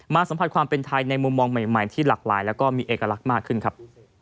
สัมผัสความเป็นไทยในมุมมองใหม่ที่หลากหลายแล้วก็มีเอกลักษณ์มากขึ้นครับ